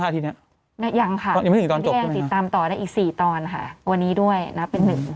ติดตามต่อได้อีก๔ตอนค่ะวันนี้ด้วยนับเป็น๑